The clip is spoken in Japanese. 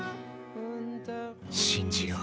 信じよう。